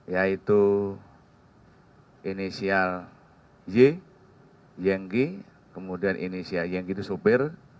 yaitu inisial y yenggi kemudian inisial y yang itu sopir